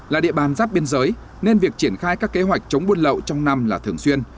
là địa bàn giáp biên giới nên việc triển khai các kế hoạch chống buôn lậu trong năm là thường xuyên